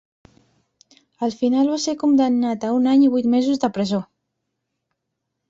El final va ser condemnat a un any i vuit mesos de presó.